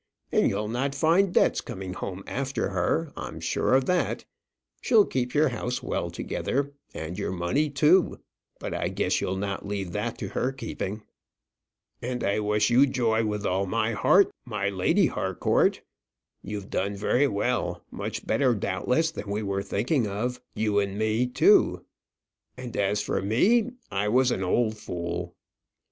And you'll not find debts coming home after her; I'm sure of that. She'll keep your house well together; and your money too but I guess you'll not leave that to her keeping. "And I wish you joy with all my heart, my Lady Harcourt. You've done very well much better doubtless than we were thinking of; you and me too. And as for me, I was an old fool."